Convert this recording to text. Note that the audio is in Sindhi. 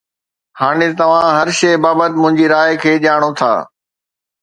هاڻي توهان هر شيء بابت منهنجي راء کي ڄاڻو ٿا